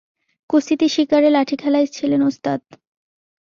কুস্তিতে শিকারে লাঠিখেলায় ছিলেন ওস্তাদ।